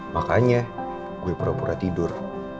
makanya gue pura pura tidur